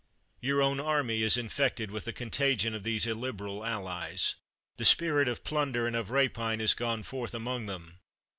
Your own army is infected with the contagion of these illiberal allies. The spirit of plunder and of rapine is gone forth among them.